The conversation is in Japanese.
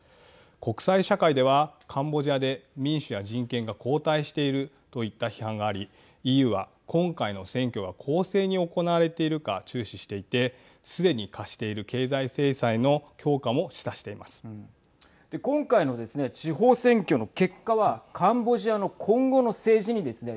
国際社会では、カンボジアで民主や人権が後退しているといった批判がありＥＵは今回の選挙が公正に行われているか注視していてすでに科している経済制裁の今回のですね地方選挙の結果はカンボジアの今後の政治にですね